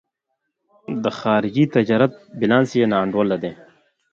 د خارجي تجارت بیلانس یې نا انډوله دی.